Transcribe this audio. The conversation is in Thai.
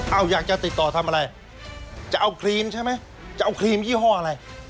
เอาอยากจะติดต่อทำอะไรจะเอาครีมใช่ไหมจะเอาครีมยี่ห้ออะไร